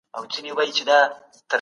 هیڅوک نسي کولای ځان په بشپړ ډول وپیژني.